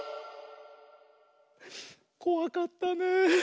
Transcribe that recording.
こわかったねえ。